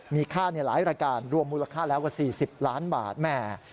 มีค่าหลายรายการรวมมูลค่าแล้วกว่า๔๐ล้านบาทแม่